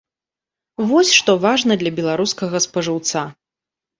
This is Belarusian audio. Вось што важна для беларускага спажыўца.